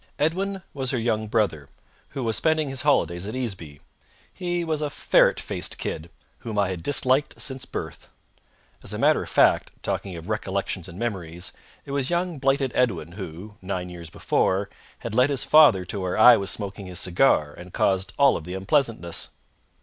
Edwin was her young brother, who was spending his holidays at Easeby. He was a ferret faced kid, whom I had disliked since birth. As a matter of fact, talking of Recollections and Memories, it was young blighted Edwin who, nine years before, had led his father to where I was smoking his cigar and caused all of the unpleasantness.